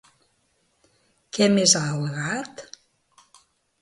Què més ha al·legat?